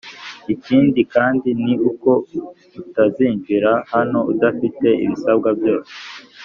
ikindi kandi ni uko utazinjira hano udafite ibisabwa byose